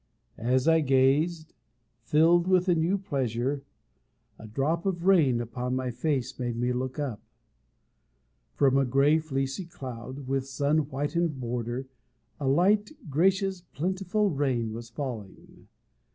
As I gazed, filled with a new pleasure, a drop of rain upon my face made me look up. From a grey, fleecy cloud, with sun whitened border, a light, gracious, plentiful rain was falling.